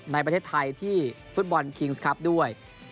ในประเทศไทยที่ฟุตบอลคิงส์ครับด้วย